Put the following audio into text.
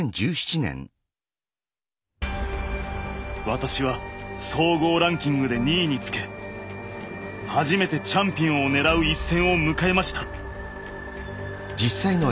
私は総合ランキングで２位につけ初めてチャンピオンを狙う一戦を迎えました。